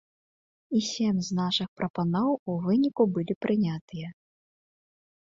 І сем з нашых прапаноў у выніку былі прынятыя.